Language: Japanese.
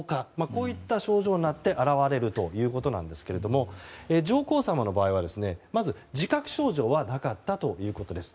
こういった症状になって現れるということですが上皇さまの場合はまず自覚症状はなかったということです。